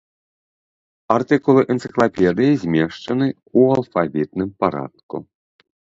Артыкулы энцыклапедыі змешчаны ў алфавітным парадку.